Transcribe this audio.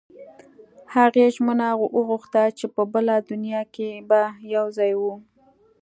هغې ژمنه وغوښته چې په بله دنیا کې به یو ځای وو